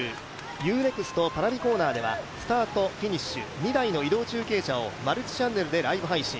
Ｕ−ＮＥＸＴ・Ｐａｒａｖｉコーナーではスタート・フィニッシュ、２台の移動中継車をマルチチャンネルでライブ配信